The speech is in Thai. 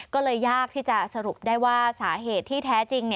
ก็เลยยากที่จะสรุปได้ว่าสาเหตุที่แท้จริง